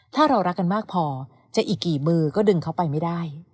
ถ้าเรารักกันมากพอจะอีกกี่มือก็ดึงเขาไปไม่ได้